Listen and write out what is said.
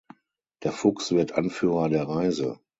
Der Fuchs wird Anführer der Reise.